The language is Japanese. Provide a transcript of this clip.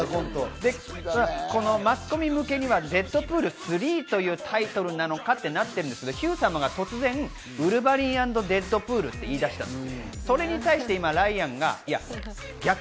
マスコミ向けには『デッドプール３』というタイトルなのかってなってるんですけど、ヒュー様が突然、『ウルヴァリン』＆『デッドプール』って言い出したそうです。